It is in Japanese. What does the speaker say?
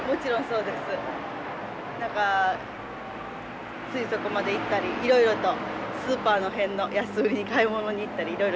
何かついそこまで行ったりいろいろとスーパーの辺の安売りに買い物に行ったりいろいろします。